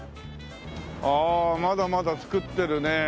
ああまだまだ造ってるねえ。